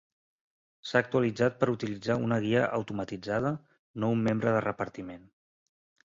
S'ha actualitzat per utilitzar una guia automatitzada, no un membre de repartiment.